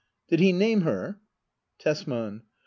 Did he name her ? Tesman.